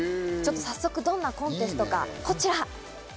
早速どんなコンテストか、こちら。